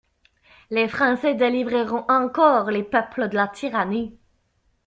Les Français délivreront encore les peuples de la tyrannie.